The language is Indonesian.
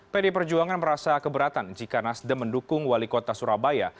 pd perjuangan merasa keberatan jika nasdem mendukung wali kota surabaya